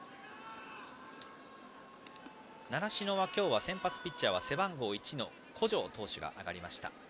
習志野は今日は先発ピッチャーは背番号１の小城投手が上がりました。